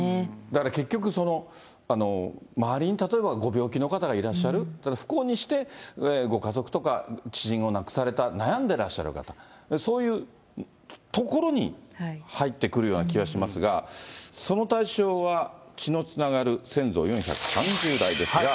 だから結局、周りに例えば、ご病気の方がいらっしゃる、不幸にして、ご家族とか、知人を亡くされた、悩んでらっしゃる方、そういうところに入ってくるような気がしますが、その対象は、血のつながる先祖４３０代ですが。